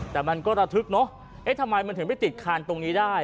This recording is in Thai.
แต่มันก็ระทึกเนอะเอ๊ะทำไมมันถึงไปติดคานตรงนี้ได้